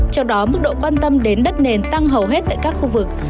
trong đó mức độ quan tâm đến đất nền tăng hầu hết tại các khu vực